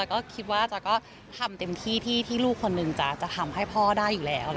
ก็คิดว่าจ๊ะก็ทำเต็มที่ที่ลูกคนหนึ่งจะทำให้พ่อได้อยู่แล้ว